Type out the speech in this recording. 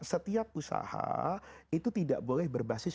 setiap usaha itu tidak boleh berbasis